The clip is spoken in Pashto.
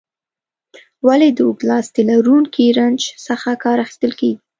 ولې د اوږد لاستي لرونکي رنچ څخه کار اخیستل کیږي؟